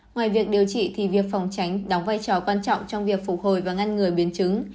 ngoài việc điều trị thì việc phòng tránh đóng vai trò quan trọng trong việc phục hồi và ngăn ngừa biến chứng